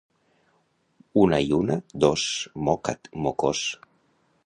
—Una i una? —Dos. —Moca't, mocós.